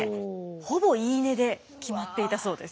ほぼ言い値で決まっていたそうです。